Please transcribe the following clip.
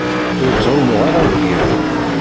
Ur ttɛumuɣ ara deg iḍ.